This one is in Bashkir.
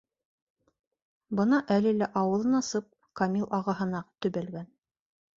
Бына әле лә ауыҙын асып Камил ағаһына төбәлгән.